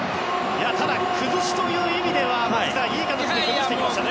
ただ崩しという意味では松木さん、いい形で崩してましたね。